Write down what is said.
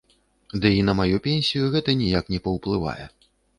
Ды і на маю пенсію гэта ніяк не паўплывае.